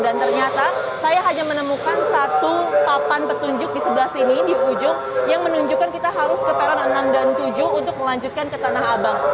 dan ternyata saya hanya menemukan satu papan petunjuk di sebelah sini di ujung yang menunjukkan kita harus ke peron enam dan tujuh untuk melanjutkan ke tanah abang